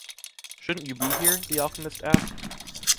“Shouldn’t you be here?”, the alchemist asked.